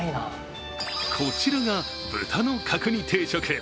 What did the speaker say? こちらが豚の角煮定食。